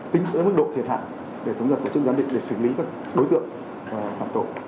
tính tới mức độ thiệt hạng để thống dập của chức gián định để xử lý các đối tượng phạm tội